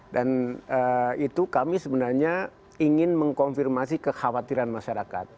dan itu kami sebenarnya ingin mengkonfirmasi kekhawatiran masyarakat